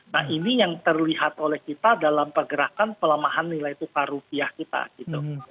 nah ini yang terlihat oleh kita dalam pergerakan pelemahan nilai tukar rupiah kita gitu